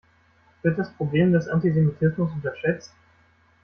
Wird das Problem des Antisemitismus unterschätzt?